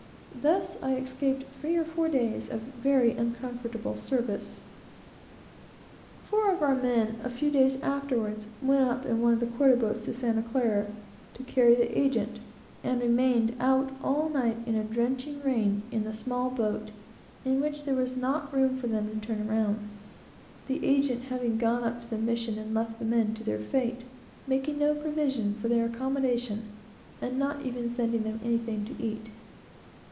Thus I escaped three or four days of very uncomfortable service. Four of our men, a few days afterwards, went up in one of the quarter boats to Santa Clara, to carry the agent, and remained out all night in a drenching rain, in the small boat, where there was not room for them to turn round; the agent having gone up to the mission and left the men to their fate, making no provision for their accommodation, and not even sending them anything to eat.